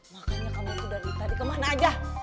makanya kamu itu dari tadi kemana aja